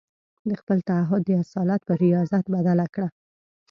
د خپل تعهد د اصالت پر رياضت بدله کړه.